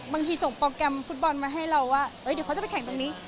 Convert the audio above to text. ส่งโปรแกรมฟุตบอลมาให้เราว่าเดี๋ยวเขาจะไปแข่งตรงนี้